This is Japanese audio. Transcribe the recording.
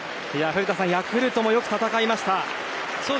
古田さん、ヤクルトもよく戦いました。